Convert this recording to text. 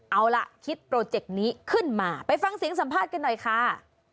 เอาล่ะคิดโปรเจกต์นี้ขึ้นมาไปฟังเสียงสัมภาษณ์กันหน่อยค่ะ